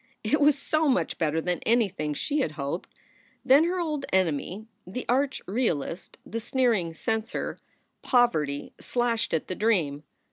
It was so much better than anything she had hoped. Then her old enemy, the arch realist, the sneering censor, Poverty, slashed at the dream.